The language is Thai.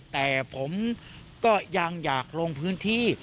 แต่ผมก็ยังอยากลงพื้นที่